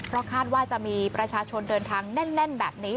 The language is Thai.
เพราะคาดว่าจะมีประชาชนเดินทางแน่นแบบนี้